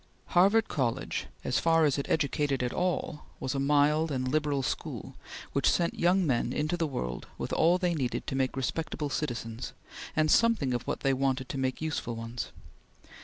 Harvard College, as far as it educated at all, was a mild and liberal school, which sent young men into the world with all they needed to make respectable citizens, and something of what they wanted to make useful ones.